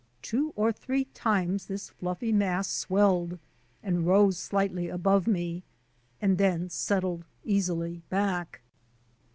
Two or three times this fluffy mass swelled and rose slightly above me and then settled easily back.